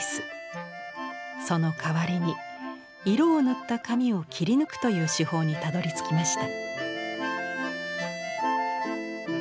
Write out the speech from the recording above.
そのかわりに色を塗った紙を切り抜くという手法にたどりつきました。